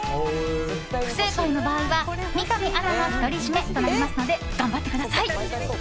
不正解の場合は、三上アナの独り占めとなりますので頑張ってください！